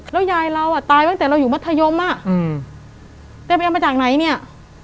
แล้วยายเราตายตั้งแต่เราอยู่มธยมแต่เธอเป็นมาจากไหนเนี่ย